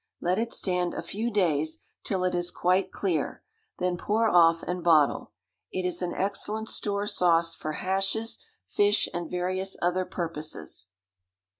Let it stand a few days, till it is quite clear, then pour off and bottle. It is an excellent store sauce for hashes, fish, and various other purposes.